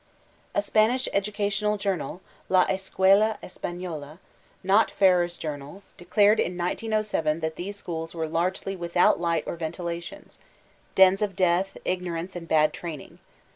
A Spamsh educational journal (La Escuela Espam>la), not Ferrer's journal, declared in 1907 that these schools were largely ''without light or ventiktion, dens of death, ignorance, and bad training."